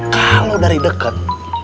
kalau dari deket